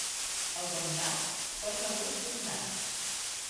El bon nap, per l'agost és nat.